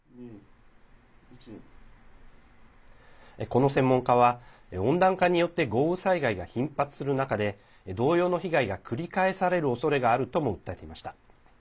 この専門家は温暖化によって豪雨災害が頻発する中で同様の被害が繰り返されるおそれがあるとも訴えていました。